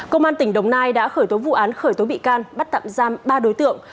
công an tỉnh đồng nai đã khởi tố vụ án khởi tố bị can bắt tạm giam ba đối tượng